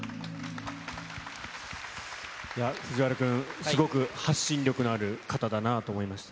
藤原君、すごく発信力のある方だなと思いました。